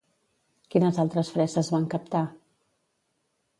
Quines altres fresses van captar?